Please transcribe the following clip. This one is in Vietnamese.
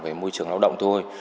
về môi trường lão động thôi